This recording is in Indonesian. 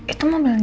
itu mobil siapa